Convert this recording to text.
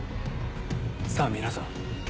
さぁ皆さん